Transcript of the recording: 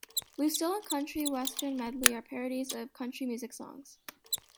"Lucille" and "Country Western Medley" are parody of country music songs.